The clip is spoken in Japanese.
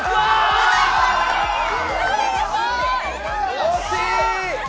惜しい！